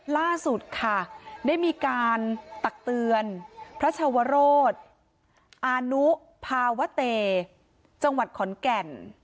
ล่าสุดค่ะได้มีการตักเตือนพระชาวโรธอานุภาวะเตจังหวัดขอนแก่น